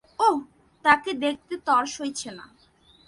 ওহ, তাকে দেখতে তর সইছে না।